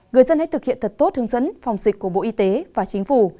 người dân hãy thực hiện thật tốt hướng dẫn phòng dịch của bộ y tế và chính phủ